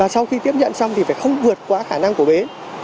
sau khi tiếp nhận xong thì phải không vượt qua khả năng của bến